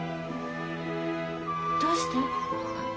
どうして？